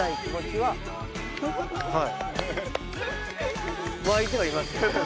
はい。